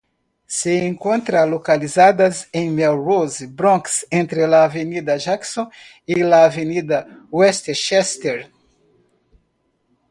Se encuentra localizada en Melrose, Bronx entre la Avenida Jackson y la Avenida Westchester.